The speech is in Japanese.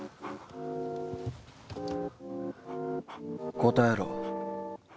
答えろ。